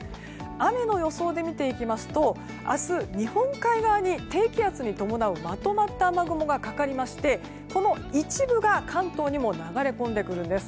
雨の予想で見ていきますと明日、日本海側に低気圧に伴うまとまった雨雲がかかりましてこの一部が関東にも流れ込んでくるんです。